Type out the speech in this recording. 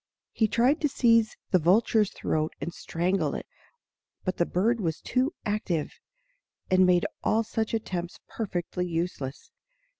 He tried to seize the vulture's throat and strangle it; but the bird was too active, and made all such attempts perfectly useless.